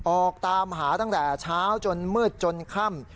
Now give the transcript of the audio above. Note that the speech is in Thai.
ออกตามหาตั้งแต่เช้าจนมืดจนค่ำ